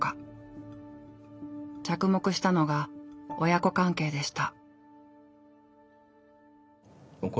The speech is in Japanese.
着目したのが親子関係でした。